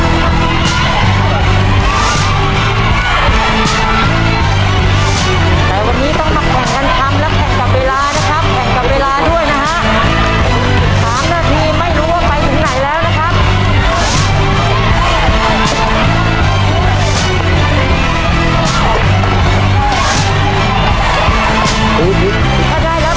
๓นาทีไม่รู้ว่าไปถึงไหนแล้วนะครับ